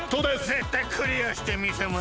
ぜったいクリアしてみせます！